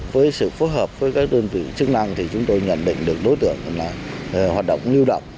với sự phối hợp với các đơn vị chức năng thì chúng tôi nhận định được đối tượng là hoạt động lưu động